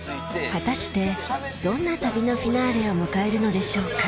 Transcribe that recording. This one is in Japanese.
果たしてどんな旅のフィナーレを迎えるのでしょうか？